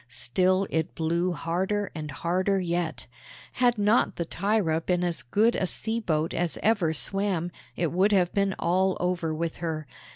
Still it blew harder, and harder yet. Had not the Thyra been as good a sea boat as ever swam, it would have been all over with her.